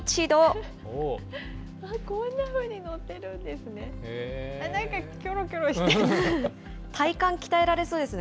こんなふうに乗ってるんですね。